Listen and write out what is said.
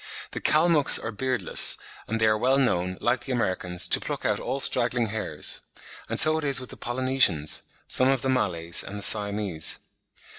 The Kalmucks are beardless, and they are well known, like the Americans, to pluck out all straggling hairs; and so it is with the Polynesians, some of the Malays, and the Siamese.